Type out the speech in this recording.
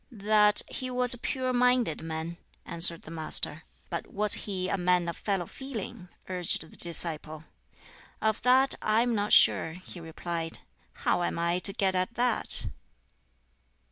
"That he was a pure minded man," answered the Master. "But was he a man of fellow feeling?" urged the disciple. "Of that I am not sure," he replied; "how am I to get at that?"